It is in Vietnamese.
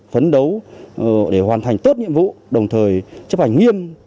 phấn đấu để hoàn thành tốt nhiệm vụ đồng thời chấp hành nghiêm